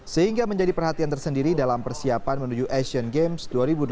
sehingga menjadi perhatian tersendiri dalam persiapan menuju asian games dua ribu delapan belas